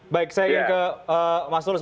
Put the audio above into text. baik saya ingin ke mas tulus